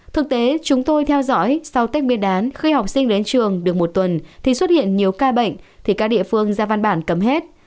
thực tế chúng tôi theo dõi sau tết nguyên đán khi học sinh đến trường được một tuần thì xuất hiện nhiều ca bệnh thì các địa phương ra văn bản cấm hết